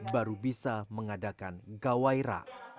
baru bisa mengadakan gawai ra